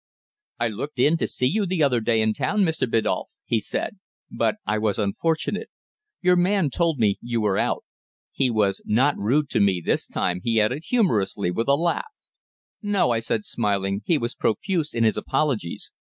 "I looked in to see you the other day in town, Mr. Biddulph," he said. "But I was unfortunate. Your man told me you were out. He was not rude to me this time," he added humorously, with a laugh. "No," I said, smiling. "He was profuse in his apologies.